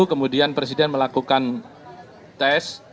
kemudian presiden melakukan tes